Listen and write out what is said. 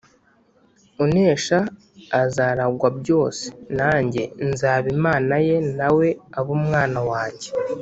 Unesha azaragwa byose, nanjye nzaba Imana ye na we abe umwana wanjye.